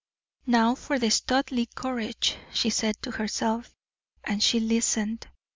"Now for the Studleigh courage," she said to herself, and she listened.